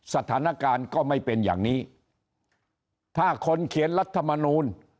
สถานการณ์ก็ไม่เป็นอย่างนี้ถ้าคนเขียนรัฐมนูล